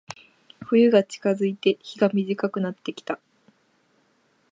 冬が近づいて、日が短くなってきた。